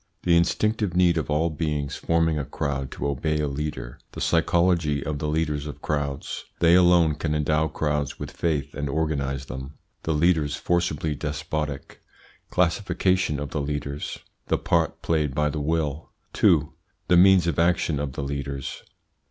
The instinctive need of all beings forming a crowd to obey a leader The psychology of the leaders of crowds They alone can endow crowds with faith and organise them The leaders forcibly despotic Classification of the leaders The part played by the will. 2. THE MEANS OF ACTION OF THE LEADERS.